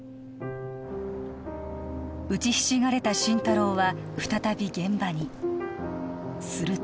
打ちひしがれた心太朗は再び現場にすると